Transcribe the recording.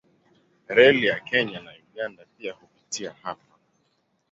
Reli ya Kenya na Uganda pia hupitia hapa.